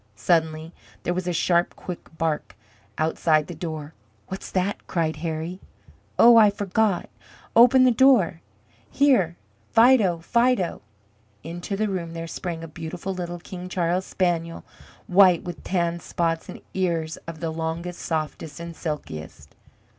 Suddenly there was a sharp, quick bark outside the door. "What's that?" cried Harry. "Oh, I forgot. Open the door. Here, Fido, Fido!" Into the room there sprang a beautiful little King Charles spaniel, white, with tan spots, and ears of the longest, softest, and silkiest.